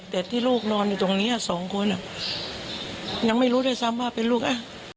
แต่ที่ลูกนอนอยู่ตรงนี้สองคนยังไม่รู้ด้วยซ้ำว่าเป็นลูกอ่ะ